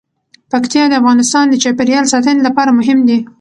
پکتیا د افغانستان د چاپیریال ساتنې لپاره مهم دي.